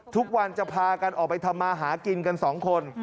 ทุกวันจะพากันออกไปทำมาหากินกัน๒คน